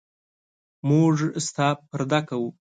موږ ستا پرده کوو.